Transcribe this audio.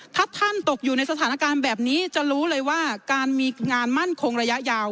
ถ้าท่านตกอยู่ในสถานการณ์แบบนี้จะรู้เลยว่าการมีงานมั่นคงระยะยาว